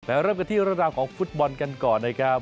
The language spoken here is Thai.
เริ่มกันที่เรื่องราวของฟุตบอลกันก่อนนะครับ